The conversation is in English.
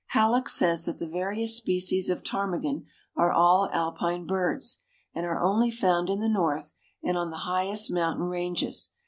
Hallock says that the various species of ptarmigan are all Alpine birds, and are only found in the North and on the highest mountain ranges.